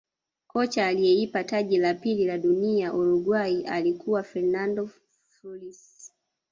kocha aliyeipa taji la pili la dunia Uruguay alikuwa fernando fussile